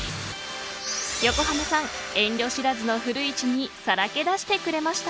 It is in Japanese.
横浜さん、遠慮知らずの古市にさらけ出してくれました。